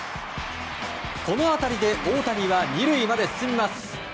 この当たりで、大谷は２塁まで進みます。